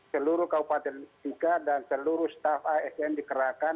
seluruh kabupaten sika dan seluruh staff asn dikerahkan